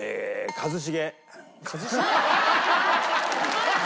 「一茂」？